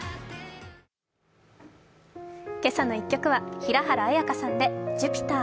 「けさの１曲」は平原綾香さんで「Ｊｕｐｉｔｅｒ」。